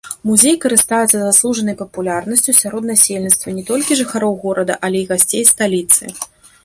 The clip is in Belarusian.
Музей карыстаецца заслужанай папулярнасцю сярод насельніцтва не толькі жыхароў горада, але і гасцей сталіцы.